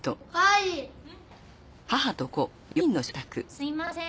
すみません